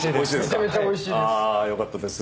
めちゃめちゃおいしい。